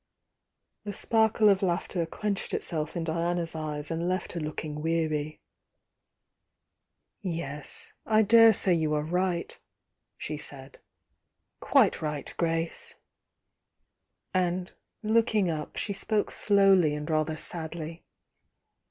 ^ The sparkle of laughter quenched itself in Diana s eyes and left her looking weary. .,„.. "Yes— I daresay you are right, she said— quite right, Grace!" And looking up, she spoke slowly and rather sadly.